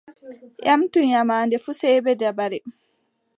Ƴamtu nyaamaande fuu sey bee dabare.